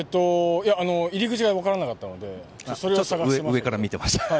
入り口がわからなかったのでそれを探してました。